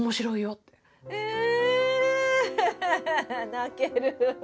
泣ける。